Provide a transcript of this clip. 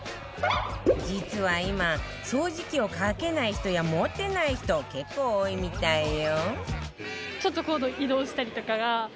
実は今掃除機をかけない人や持ってない人結構多いみたいよ